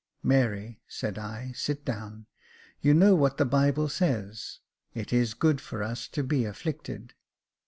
"Mary," said I, *' sit down; you know what the Bible says —* It is good for us to be afflicted.'